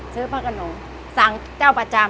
ซื้อพะกะหนูสั่งเจ้าประจำ